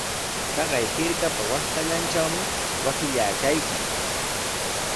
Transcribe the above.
Taqay hirkapa waqtallantrawmi wasillaa kaykan.